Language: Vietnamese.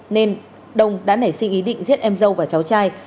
nên đông đã nảy sinh ý định giết em dâu và cháu trai